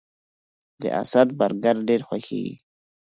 د اسد برګر ډیر خوښیږي